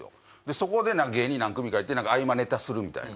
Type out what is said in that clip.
そこで芸人何組かいて合間ネタするみたいな。